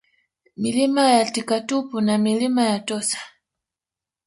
Milima ya Tikatupu na Milima ya Tossa